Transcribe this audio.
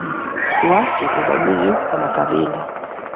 Tuache ubaguzi wa makabila